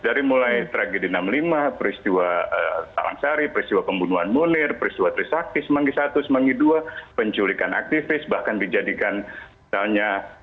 dari mulai tragedi enam puluh lima peristiwa salang sari peristiwa pembunuhan munir peristiwa trisaktis manggi satu manggi dua penculikan aktivis bahkan dijadikan misalnya